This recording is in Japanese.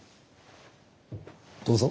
どうぞ。